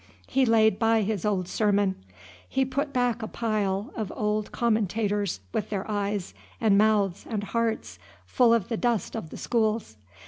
He laid by his old sermon. He put back a pile of old commentators with their eyes and mouths and hearts full of the dust of the schools.